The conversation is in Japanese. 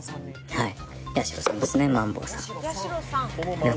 はい！